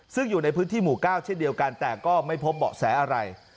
ซึ่งอยู่ในพื้นที่หมู่๙เช่นเดียวกันแต่ก็ไม่พบเบาะแสอะไร